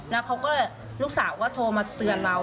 แล้วเขาก็ลูกสาวก็โทรมาเตือนเรา